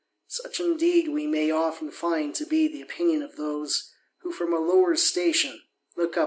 Such, indeed, we may often find to ^he opinion of those, who from a lower station look up